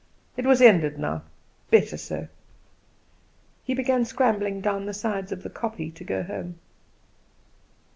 It was ended now. Better so. He began scrambling down the sides of the kopje to go home.